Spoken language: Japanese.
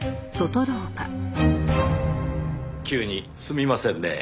急にすみませんねぇ。